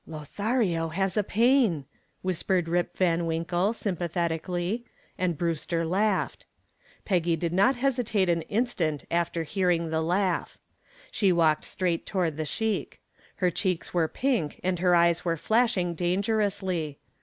"Lothario has a pain," whispered "Rip" Van Winkle sympathetically, and Brewster laughed. Peggy did not hesitate an instant after hearing the laugh. She walked straight toward the sheik. Her cheeks were pink and her eyes were flashing dangerously.